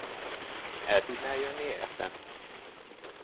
El tudnál jönni érte?